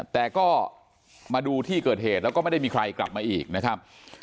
แต่ก็มาดูที่เกิดเหตุแล้วก็ไม่ได้มีใครกลับมาอีกนะครับ